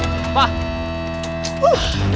udah pak gausah pak